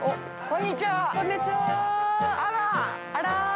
こんにちは。